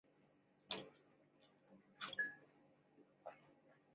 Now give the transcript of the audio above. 法罗群岛杯是法罗群岛的一项球会淘汰制杯赛的足球赛事。